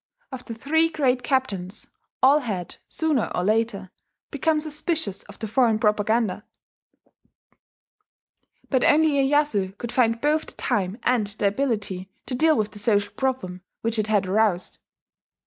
Of the three great captains, all had, sooner or later, become suspicious of the foreign propaganda; but only Iyeyasu could find both the time and the ability to deal with the social problem which it had aroused.